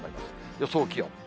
予想気温。